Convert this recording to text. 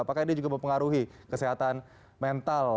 apakah ini juga mempengaruhi kesehatan mental